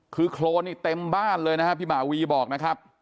คือโครนนี่เต็มบ้านเลยนะครับพี่หมาวีบอกนะครับ